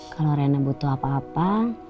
kalau rena butuh apa apa